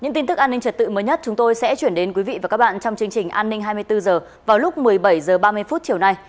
những tin tức an ninh trật tự mới nhất chúng tôi sẽ chuyển đến quý vị và các bạn trong chương trình an ninh hai mươi bốn h vào lúc một mươi bảy h ba mươi chiều nay